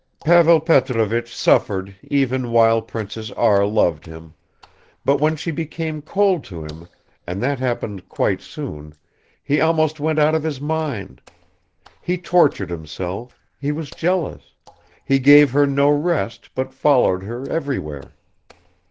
Pavel Petrovich suffered even while Princess R. loved him, but when she became cold to him, and that happened quite soon, he almost went out of his mind. He tortured himself, he was jealous, he gave her no rest but followed her everywhere.